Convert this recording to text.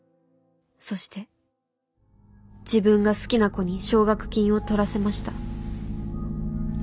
そして自分が好きな子に奨学金を獲らせました。